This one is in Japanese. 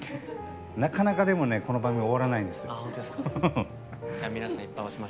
なかなかこの番組終わらないんです。